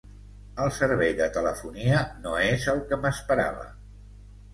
El servei de telefonia no és el que m'esperava.